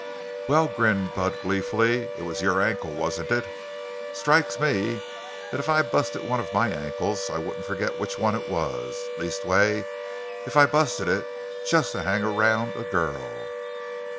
"Well," grinned Bud gleefully, "it was your ankle, wasn't it? Strikes me that if I busted one of my ankles I wouldn't forget which one it was! Leastways, if I'd busted it just to hang around a girl!"